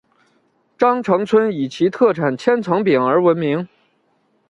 鄣城村以其特产千层饼而闻名。